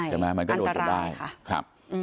ใช่อันตรายค่ะ